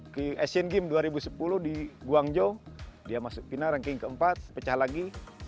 ke asian game dua ribu sepuluh di guangzhou dia masuk final ranking keempat pecah lagi tiga belas dua puluh